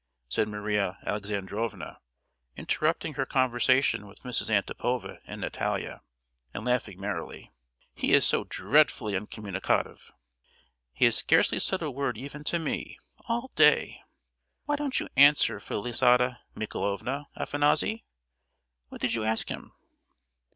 said Maria Alexandrovna, interrupting her conversation with Mrs. Antipova and Natalia, and laughing merrily; "he is so dreadfully uncommunicative! He has scarcely said a word even to me, all day! Why don't you answer Felisata Michaelovna, Afanassy? What did you ask him?"